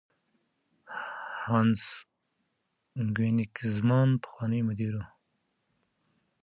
هانس کوېنیګزمان پخوانی مدیر و.